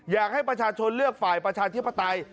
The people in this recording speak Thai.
อยากให้ประชาชนเลือกฝ่ายประชาธิปไตย